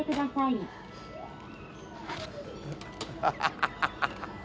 ハハハ